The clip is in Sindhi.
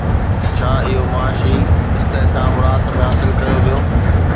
ڇا اهو معاشي استحڪام رات ۾ حاصل ڪيو ويو؟